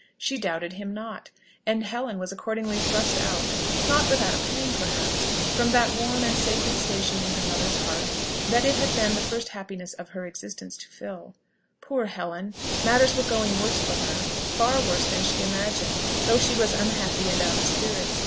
She doubted him not: and Helen was accordingly thrust out, not without a pang perhaps, from that warm and sacred station in her mother's heart that it had been the first happiness of her existence to fill. Poor Helen! matters were going worse for her far worse than she imagined, though she was unhappy and out of spirits.